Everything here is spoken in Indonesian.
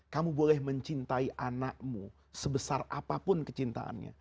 kamu boleh mencintai anakmu sebesar apapun kecintaannya